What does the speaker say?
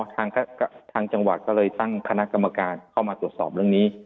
ทางจังหวัดก็เลยตั้งคณะกรรมการเข้ามาตรวจสอบเรื่องนี้